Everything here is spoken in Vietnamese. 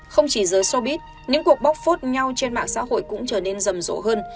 không chỉ giới sobit những cuộc bóc phốt nhau trên mạng xã hội cũng trở nên rầm rộ hơn